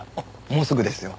もうすぐですよ。